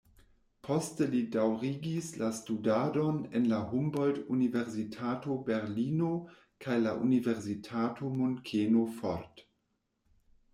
Poste li daŭrigis la studadon en la Humboldt-universitato Berlino kaj la universitato Munkeno fort.